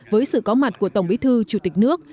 với sự có mặt của tổng bí thư chủ tịch nước